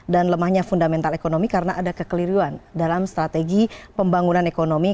dan lemahnya fundamental ekonomi karena ada kekeliruan dalam strategi pembangunan ekonomi